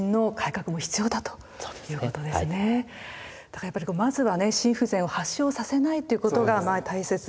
だからやっぱりまずはね心不全を発症させないということが大切。